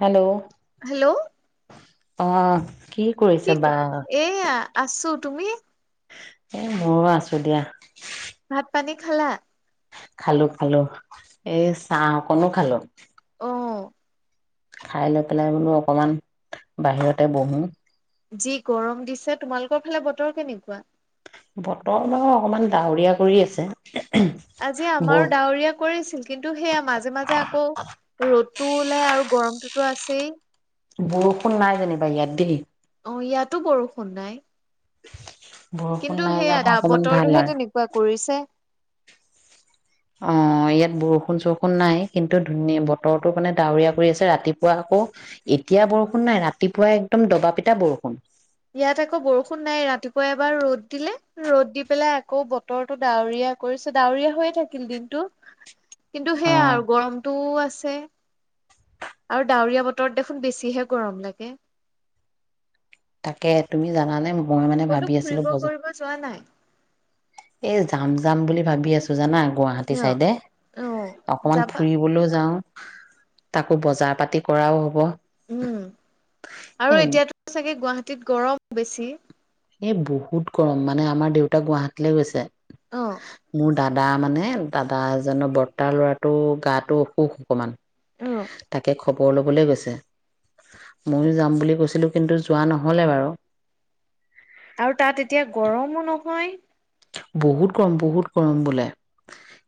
Hello hello অ' কি কৰিছে বা এয়া আছো তুমি এই ময়ো আছো দিয়া ভাত পানী খালা? খালো খালো এই চাহ অকনো খালোঁ‌। অ' খাই লৈ পেলাই বোলো অকমান বাহিৰতে বহো। যি গৰম দিছে তোমালোকৰ ফালে বতৰ কেনেকুৱা? বতৰ বাৰু অকমান ডাৱৰীয়া কৰি আছে। আজি বৰ আমাৰো ডাৱৰীয়া কৰিছে। কিন্তু সেয়া মাজে মাজে আকৌ ৰ'দ। টো ওলাই আৰু গৰমটোতো আছেই। বৰষুণ নাই যেনিবা ইয়াত দেই। অ' ইয়াতো বৰষুণ নাই। বৰষুণ কিন্তু নাই কাৰণে সেইয়া অকমান ভাল বতৰটোহে আৰু তেনেকুৱা কৰিছে অ' ইয়াত বৰষুণ চৰষুণ নাই কিন্তু ধুনীয়া বতৰটো মানে ডাৱৰীয়া কৰি আছে ৰাতিপুৱা আকৌ এতিয়া বৰষুণ নাই ৰাতিপুৱা একদম দবা পিটা বৰষুণ ইয়াত আকৌ বৰষুণ নাই ৰাতিপুৱা এবাৰ ৰ'দ দিলে ৰ'দ দি পেলাই আকৌ বতৰটো ডাৱৰীয়া কৰিছে ডাৱৰীয়া হৈয়ে থাকিল দিনটো কিন্তু অ সেয়া আৰু গৰমটো আছে। আছে ডাৱৰীয়া বতৰত দেখোন বেছিহে গৰম লাগে তাকে তুমি জানানে মোক মই মানে ক'তো ভাবি আছিলো ফুৰিব বজাৰ কৰিব যোৱা নাই এই যাম যাম বুলি ভাবি আছো জানা গুৱাহাটী ন চাইডে অ অকমান যাবা ফুৰিবলৈ যাওঁ তাকো বজাৰ পাতি কৰাও হ'ব। উম এ আৰু এতিয়াটো চাগে গুৱাহাটী টিত গৰম বেছি এ বহুত গৰম মানে আমাৰ দেউতাক গুৱাহাটীলৈ গৈছে। অ' মোৰ দাদা মানে দাদা দা এজনৰ বৰ্তাৰ ল'ৰা তটো গাটো অসুখ অকণমান অ তাকে খবৰ ল'বলৈ গৈছে ময়ো যাম বুলি কৈছিলোঁ কিন্তু যোৱা নহ'লে বাৰু আৰু তাত এতিয়া গৰমো নহয় বহুত গৰম বহুত গৰম বোলে।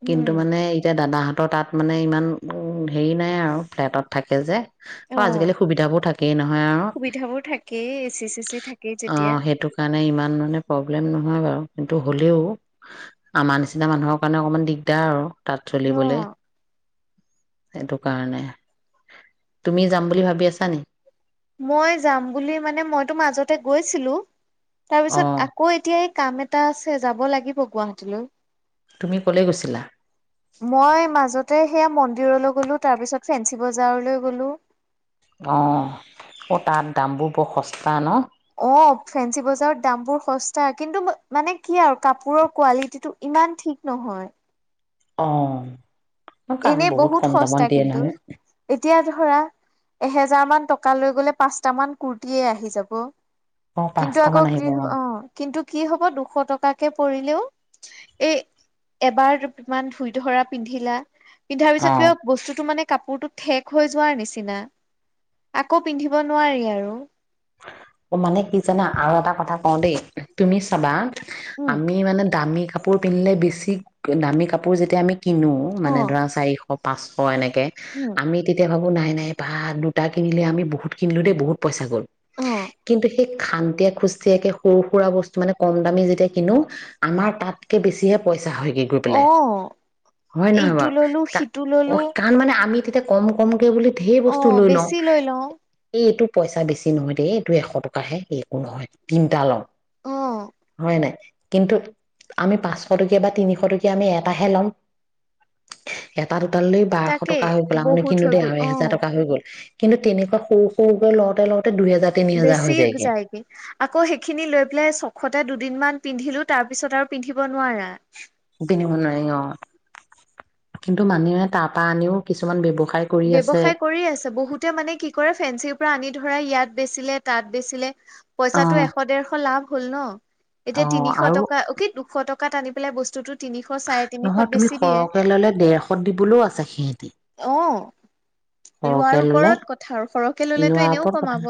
কিন্তু উম মানে এতিয়া দাদাহত সিহঁতৰ তাত মানে ইমান হেৰি নাই আৰু ফ্লেটত থাকে যে অ আজিকালি সুবিধাবোৰ থাকেই নহয় আৰু সুবিধাবোৰ থাকেই এ চি চে চি থাকেই যেতিয়া অ' সেইটো কাৰণে মানে ইমান মানে প্ৰব্লেম নহয় বাৰু কিন্তু হ'লেও আমাৰ নিচিনা মানুহৰ কাৰণে অকণমান দিগদাৰ আৰু তাত অ চলিবলৈ সেইটো কাৰণে তুমি যাম বুলি ভাবি আছা নি? মই যাম বুলি মানে মইতো মাজতে গৈছিলো। তাৰ পিছত অ', আকৌ এতিয়া এই কাম এটা আছে যাব লাগিব গুৱাহাটীলৈ। তুমি ক'লে গৈছিলা? মই মাজতে সেয়া মন দলৈ গ'লো তাৰপিছত ফেঞ্চি বজাৰলৈ গ'লো। অ '' তাত দামবোৰ বৰ সস্তা ন? অ', ফেঞ্চি বজাৰত দামবোৰ সস্তা কিন্তু মানে কি আৰু কাপোৰৰ কোৱালিটিটো ইমান ঠিক নহয়। অ' কাৰণ এনে বহুত কম দামত সস্তা দিয়ে কিন্তু নহয় এতিয়া ধৰা এহেজাৰ মান টকা লৈ গলে পাঁচটা মান কুৰ্তিয়েই আহি যাব। অ', কিন্তু পাঁচটামান আকৌ আহিব কি অ 'কিন্তু কি হ'ব দুশ টকাকে কৰিলেও এই এবাৰ ইমান ধুই ধৰা পিন্ধিলা পিন্ধাৰ পিছত কিবা অ'। বস্তুটো মানে কাপোৰটোক ঠেক হৈ যোৱাৰ নিচিনা আকৌ পিন্ধিব নোৱাৰি আৰু। মানে কি জানা আৰু এটা কথা কওঁ দেই তুমি চাবা উম, আমি মানে দামী কাপোৰ পিন্ধিলে বেছি দামী কাপোৰ যেতিয়া আমি কিনো মানে অ', ধৰা চাৰিশ অ পাঁচশ এনে কে উম, আমি তেতিয়া ভাবোঁ নাই - নাই বা দুটা কিনিলে আমি বহুত কিনিলোঁ দেই বহুত পইচা গ'ল৷ অ', কিন্তু সেই খান্তিয়ে খুষ্টিয়াকে সৰু সুৰা বস্তু মানে কম দামী যেতিয়া কিনো আমাৰ তাতকে বেছিহে প পইচা হয় গে গৈ পেলাই অ', হয় নহয় এইটো বাৰু? ললো সিটো অ ললো কাৰণ মানে আমি তেতিয়া কম-কম কে বুলি ধেৰ অ বস্তু লৈ লওঁ বেছি লৈ লওঁ এইটো পইছা বেছি নহয় দেই এইটো এশ টকাহে একো নহয় তিনিটা ল ৷ অ হয় নাই? কিন্তু আমি পাঁচশ টকীয়া বা তিনিশ টকীয়া আমি এটাহে লম এটা দুট বাৰশ তাকেই টকা হৈ গ'ল আৰু বহুত নিকিনো হৈ দেই গ'ল আৰু অ এহেজাৰ টকা হৈ গ'ল কিন্তু তেনেকুৱা সৰু সৰুকৈ লওঁতে লওঁতে দুহেজাৰ তিনি হেজাৰ হৈ বেছি যায়গে আকৌ সেইখিনি লৈ পেলাই চখতে দুট দুদিনমান পিন্ধিলো তাৰ পিছত আৰু পিন্ধিব নোৱাৰা। পিন্ধিব নোৱাৰি অ ' কিন্তু মানুহে তাৰপৰা আনিও কিছুমান ব্যৱ ব্যৱসায় কৰি আছে বহুতে মানে কি কৰে ফেঞ্চি পৰা আনি ধৰা ইয়াত বেছিলে তাত বেছিলে অ পইচাটো এশ দেৰশ লাভ ভুল ন? অ এতিয়া তিনিশ আৰু টকা অ' কি দুশ টকা। কাত আনি পাই বস্তু তিনি নহয় তুমি সৰহকে ল'লে ডৰশত [inaudible] দিবলৈও আছা সিহঁতি। অ লোৱাৰ সৰহকে ললে ওপৰত কথা আৰু সৰহকে ললেতো লোৱাৰ এনেও ওপৰত কথা কমাব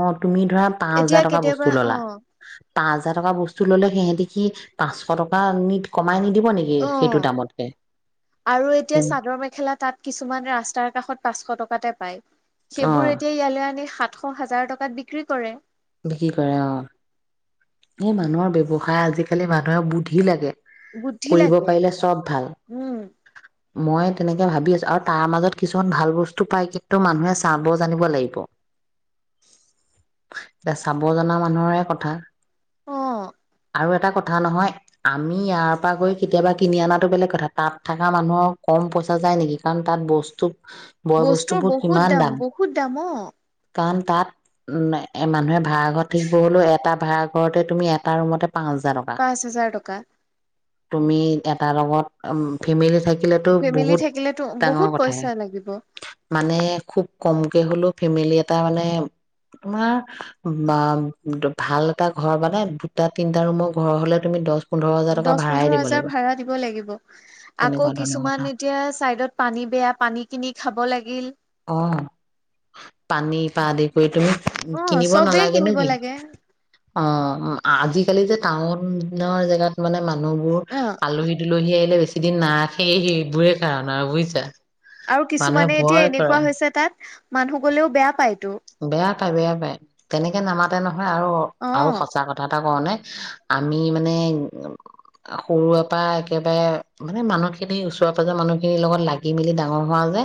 অ তুমি ধৰা পাঁচ এতিয়া হাজাৰ টকা কেতিয়াবা বস্তু অ ললা পাঁচ হাজাৰ টকা বস্তু ললে সিহঁতে কি পাঁচশ টকা নিট [inaudible] অ' আৰু এতিয়া চাদৰ মেখেলা তাত কিছুমান ৰাস্তাৰ কাষত পাঁচশ টকা। কাতে পায়। অ সেইবোৰ এতিয়া ইয়ালৈ আনি আঠশ হাজাৰ টকাত বিক্ৰী কৰে। বিক্ৰী কৰে অ' এই মানুহৰ ব্যৱসায় আজিকালি মানুহে বুদ্ধি লাগে। বুদ্ধি কৰিব লাগে। পাৰিলে চব ভাল। উম মই তেনেকে ভাবি আছো আৰু তাৰ মাজত কিছুমান ভাল বস্তু পাই কিন্তু মানুহে চাব জানিব লাগিব। এতিয়া চাব জনা মানুহৰে কথা। অ' আৰু এটা কথা নহয় আমি ইয়াৰ পৰা গৈ কেতিয়াবা কিনি অনাটো বেলেগ কথা তাত থকা মানুহৰ কম পইচা যায় নেকি কাৰণ তাত বস্তু। বয় বস্তুৰ বস্তুবোৰ বহুত কিমান দাম বহুত দাম অ' কাৰণ তাত ন? এই মানুহে ভাড়া ঘৰত থাকিব হ'লেও এটা ভাড়া ঘৰতে তুমি এটা ৰুমতে- পাঁচ হাজাৰ টকা পাঁচ হাজাৰ টকা। তুমি এটাৰ লগত ফেমিলি থাকি। থাকিলেতো ফেমিলি বহুত থাকিলেতো ডাঙৰ বহুত কথাই পইচা লাগিব মানে খুব কমকে হ'লেও ফেমিলি এটা মানে তোমাৰ বা ভাল এটা ঘৰ মানে দুটা তিনটা ৰুমৰ ঘৰ হলে তুমি দহ পোন্ধৰ হাজাৰ টকা দহ ভাড়াই পোন্ধৰ দিব হাজাৰ লাগিব ভাড়া দিব লাগিব। আকৌ তেনেকুৱা ধৰণৰ কথা কিছুমান এতিয়া চাইডত পানী বেয়া পানী কিনি খাব লাগিল। পা দি কৰি তুমি অ কিনিব চবেই নালাগে কিনিব নেকি লাগে অ অ' আজি। কালি যে টাউনৰ জেগাত মানে মানুহবোৰ আলহী দুলহী আহিলে বেছি সিদিনা হে সেইবোৰে কাৰন আৰু বুজিছা? আৰু মানুহে কিছুমানে এতিয়া ভয় কৰে, এনেকুৱা হৈছে তাত মানুহ গ'লেও বেয়া পায়। বেয়া তাই বেয়া পায় তেনেকে নামাতে ন। নহয় আৰু, অ আৰু সঁচা কথা এটা কও নে? আমি মানে উ সৰুৰে পৰা একেবাৰে মানে মানুহখিনি ওচৰৰ পাজৰৰ মানুহ খিনিৰ লগত লাগি মেলি ডাঙৰ হোৱা যে।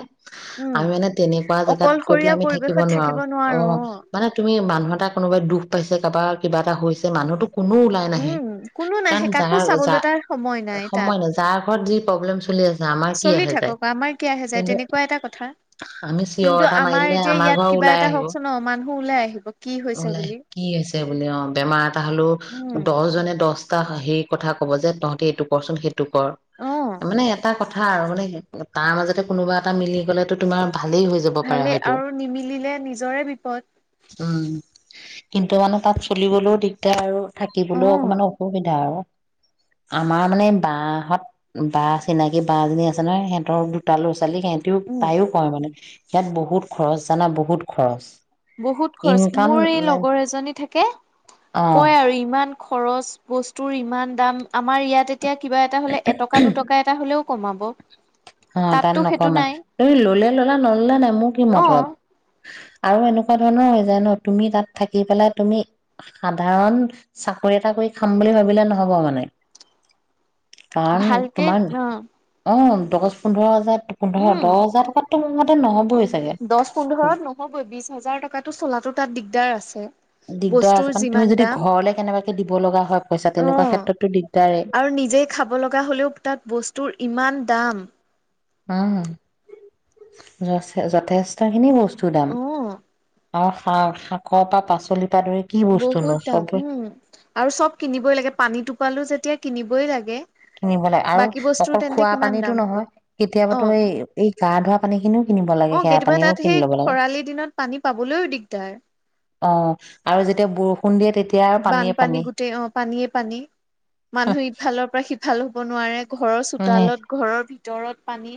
উম আমি মানে তেনেকুৱা জেগাত গৈ পেলাই অকলশৰীয়া আমি থাকিব পৰিৱেশত নোৱাৰো। অ নোৱাৰো মানে তুমি। মানুহ এটা কোনোবাই দুখ পাইছে কাৰোবাৰ কিবা এটা হৈছে মানুহটোক কোনো ওলাই নাহে। উম কোনো কাৰণ নাহে কাকো যাৰ যা চাবলৈ তাৰ সময় তাত সময় নাই। যাৰ ঘৰত যি প্ৰব্লেম চলি আছে আমাৰ কি চলি আহে যায় থাকক আমাৰ কি আহে যায় কিন্তু তেনেকুৱা এটা কথা আমি চিঞৰ কিন্তু এটা আমাৰ মাৰিলে এতিয়া ইয়াত কিবা এটা হওক। চন মান ওলাই আহিব। কি হৈছে লাই বুলি কি হৈছে বুলি, অ বেমাৰ এটা হলেও উম দহজনে দছ হেৰি কথা ক'ব যে তহঁতি এইটো কচোন সেইটো টো ক'ৰ, অ মানে এটা কথা। কথা আৰু মানে তাৰ মাজতে কোনোবা এটা মিলি গ'লেতো তোমাৰ। ভালেই হৈ যাব পাৰে ভালেই হয়তো আৰু নিমিলিলে নিজৰে বিপদ। উম, কিন্তু মানে তাত চলিবলৈও দিগদাৰ আৰু অ থাকিবলৈও অকমান অসুবিধা আৰু। আমাৰ মানে বাহত বাহ চিনাকি বাহজনী আছে নহয় সিহঁতৰ দুটালো আছে। ছালী সিহঁতেও, উম তাইও কয় মানে। ইয়াত বহুত খৰচ জানা, বহুত খৰচ। বহুত খৰচ ইনকাম মোৰ এই লগৰ এজনী থাকে অ কয় আৰু ইমান খৰচ বস্তুৰ ইমান দাম আমাৰ ইয়াতে এতিয়া কিবা এটা হলে এটকা দুটকা এটা হলেও কমাব। অ তাত তাততো সেইটো নকমাই নাই তুমি ললে ল'লা নললে নাই মোৰ কি মতলব। অ আৰু এনেকুৱা ধৰণৰ হৈ যায় ন তুমি তাত থাকি পেলাই তুমি, সাধাৰণ চাকৰি এটা কৰি খাম বুলি ভাবিলে নহব মানে। কাৰন ভালকে তোমাৰ, অ অ দহ পোন্ধৰ হাজাৰ পোন্ধৰ, দহ হাজাৰ টকাত ত মোৰ মতে নহ'বই চাগে দছ, পোন্ধৰত নহ'বই বিছ হাজাৰ টকাটো চলাতো তাত দিগদাৰ আছে। দিগদাৰ বস্তুৰ আছে মানে তুমি যিমান যদি দাম ঘৰলে কেনেবাকে দিব লগা হয় পইচা অ, তেনেকুৱা ক্ষেত্ৰতো দিগদাৰে আৰু নিজে খাব লগা হলেও তাত বস্তুৰ ইমান দাম! উম য যথেষ্ট খিনি বস্তু চুদাম অ আসা শাক পা পাচলি বহুত দাম উম আৰু চব কিনিবই লাগে পানী টোপালো যেতিয়া কিনিবই লাগে৷ কিনিব লাগে আৰু বাকী বস্তুৰ অকল তেন্তে খোৱা কিমান পানীটো দাম হ'ব নহয় অ কেতিয়াবাতো এই - এই গা ধোৱা পানী খিনিও কিনি অ বেয়া কেতিয়াবা পানীও তাত কিনি সেই লব লাগে খৰালি দিনত পানী পাবলৈও দিগদাৰ অ আৰু যেতিয়া বৰষুণ দিয়ে তেতিয়া আৰু পানীয়ে বানপানী পানী গোটেই অ পানীয়ে পানী মানুহ ইফালৰ পৰা সি ভালো হ'ব নোৱাৰে ঘৰৰ উম চোতালত ঘৰৰ ভিতৰত দৰত পানী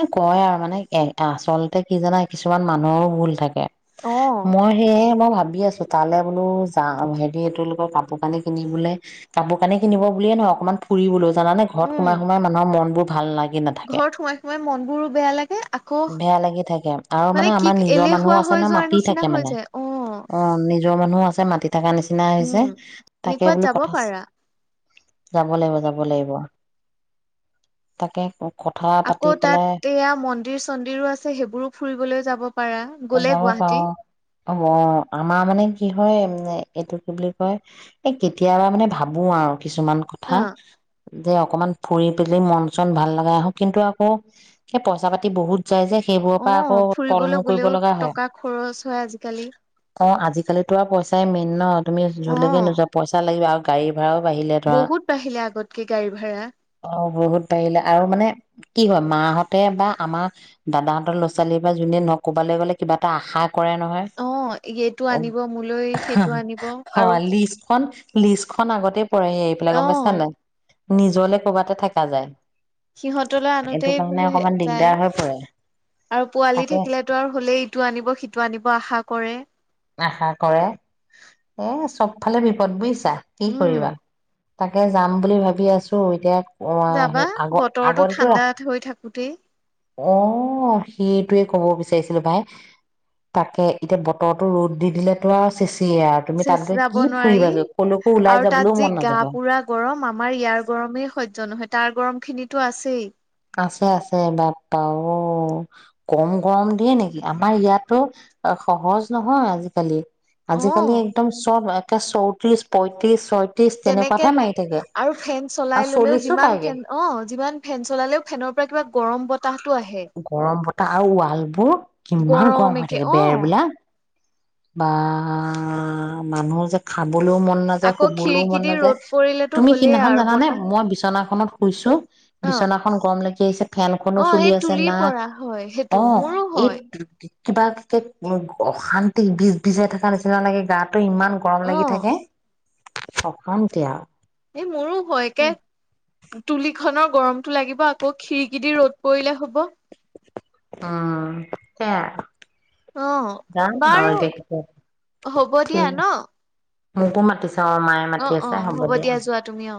এ কয় আৰু মানে এ আচলতে কি জানা কিছুমান মানুহৰো ভুল থাকে৷ অ', মই সেয়ে মই ভাবি আছো তালে বোলো যা হেৰি এইটো লোকৰ কাপোৰ কানি কিনি বোলে কাপোৰ কানি কিনিব বুলিয়ে নহয় অকনমান ফুৰিবলৈ জানানে ঘৰত সোমাই উম, সোমাই মানুহ মন বোৰ ভাল লাগে ঘৰত সোমাই সোমাই মন বোৰো বেয়া লাগে আকৌ বেয়া লাগি থাকে আৰু মানে আমাৰ কি নিজৰ মানুহো এলেহুৱা আছে ন হৈ যোৱাৰ মাতি থাকে নিচিনা হৈ মানে যায়, অ! নিজৰ মানুহ আছে মাটিত ডেকা নিচিনা হৈছে উম। তাকে তেনেকুৱাত বোলো যাব কথা পাৰা। যাব লাগিব যাব ব লাগিব তাকে কথা পা আক' তাত এয়া মন্দিৰ চন্দিৰো আছে সেইবোৰো ফুৰিবলৈ যাব পাৰা গলে যাব পাৰো গুৱাহাটী৷ এ এইটো কি বুলি কয় এই কেতিয়াবা মানে ভাবো আও কিছুমান কথা অ', যে অকণমান ফুৰি পেলি মন চন ভাল লগাই আহোঁ কিন্তু অ সেই পইচা পাতি বহুত যাই যে সেইবোৰৰ পৰা আকৌ অ', ফুৰিবলৈ তলমূৰ কৰিব গ'লেও লগা হয় টকা খৰচ হয় আজিকালি অ আজিকালিতো আৰু পইচাই মেইন ন তুমি যলৈকে অ'। নোযোৱা পইচা লাগিব আৰু কাই ভাড়াও বাঢ়িলে ধৰা বহুত বাঢ়িলে আগতকে গাড়ী ভাড়া অ বহুত বাঢ়িলে আৰু মানে কি হয় মাহঁতে বা আমাৰ দাদাহঁতৰ ল'ৰা ছোৱালী বা যোনে ন ক'বালৈ গ'লে কিবা এটা আশা কৰে নহয় অ', এইটো অ আনিব মোলৈ সেইটো আনিব হাহা অ আৰু লিষ্টখন লিষ্টখন আগতে পৰে, সেইবিলাক গম পাইছা অ', নাই। নিজলে কৰ'বাতে থাকা যায়। সিহঁত তোলৈ এইটো আনোতেই কাৰণে বোলে অকমান যায়। দিগদাৰ হৈ পৰে আৰু পোৱালি তাকে থাকিলেতো আৰু হ'লেই, ইটো আনিব - সিটো আনিব আশা কৰে। আশা কৰে। এ চব ফালে বিপদ বুইছ তা কি উম, কৰিবা? তাকে যাম বুলি ভাবি আছো। এতিয়া অ আ যাবা সেই আগ বতৰটো আগতেতো ঠাণ্ডা হৈ থাকোতেই অ সেইটোয়ে ক'ব বিচ বিচাৰিছিলো পাই। তাকে এতিয়া বতৰত ৰ'দ দি দিলে আৰু চেছে চেছ যাব নোৱাৰি। কলৈকো ওলাই আৰু যাবলৈও তাত যি মন নাযাব গা-পুৰা গৰম, আমাৰ ইয়াৰ গৰমেই স য্য নহয় তাৰ গৰম খিনিতো আছেই। আছে - আছে বাপ্পা অ'। কম গৰম দিয়ে নেকি? আমাৰ ইয়াতো অ- সহজ নহয় আজিকালি আজিকালি অ'। একদম চব আ টা চৌত্ৰিছ পইট তেনেকে যায়। আৰু ফেন আৰু চলাই ল'লেও চল্লিশো যিমান পায়গে ফেন- অ' যিমান ফেন চলালেও ফেনৰ পৰা কিবা গৰম বত গৰম বতাহ আৰু ৱাল বোৰ কিমান গৰম হৈ একে থাকে অ' বেৰবিলাক। বা মানুহ যে খান বলৈও মন নাযায়, আকৌ শুবলৈও খিৰিকী মন দি নাযায়। ৰ'দ পৰিলেতো তুমি হ'লেই সিদিনাখন আৰু জানানে, বতাহ মই বিচনাখনত শুইছোঁ। অ' বিছনাখন গৰম লাগি। সেই চে ফেনখনো অ' চলি সেই আছে। তে তুলিৰ না- পৰা হয় সেইটো অ' মোৰো এইট হয় থুপি কিবা একে উ অশান্তি বিজ বিজাই থাকা নিচিনা লাগে গাত। টো ইমান গৰম লাগি অ'। থাকে। পকাম দিয়া। এ মোৰো হয় একে তুলি খনৰ- গৰমটো লাগিব আকৌ খিৰিকি দি ৰ'দ পৰিলে হ'ব। অ' [unintelligible] অ, বাৰু কেতিয়া হব দিয়া ঠিক ন। মোকো মাতিছে। অ মায়ে অ মাতি অ আছে, হ'ব দিয়া। যোৱা তুমি অ।